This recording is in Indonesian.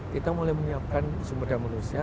kita mulai menyiapkan sumber daya manusia